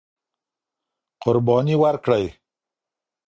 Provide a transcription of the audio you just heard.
قرباني ورکړئ.